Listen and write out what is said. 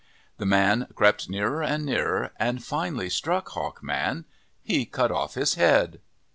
The man crept nearer and nearer, and finally struck Hawk Man. He cut off his head.